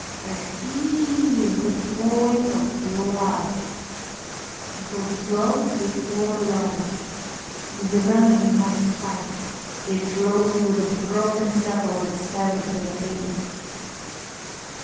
"I see here the flowing of blood; it will flow before long; it is running in my sight. It flows through the broken circle of a severed ring."